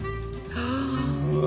うわ。